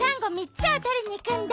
つをとりにいくんだ。